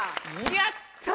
やった！